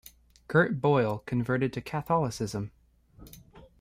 Gert Boyle converted to Catholicism.